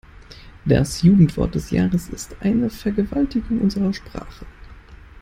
Das Jugendwort des Jahres ist eine Vergewaltigung unserer Sprache.